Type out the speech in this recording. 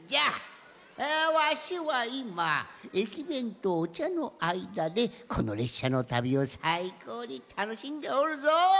あわしはいまえきべんとおちゃのあいだでこのれっしゃのたびをさいこうにたのしんでおるぞ！